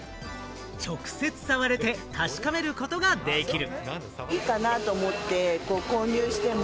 直接触れて確かめることができる。